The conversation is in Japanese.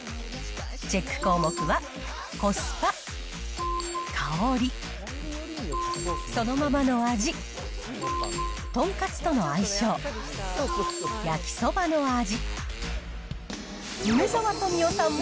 チェック項目は、コスパ、香り、そのままの味、豚カツとの相性、焼きそばの味。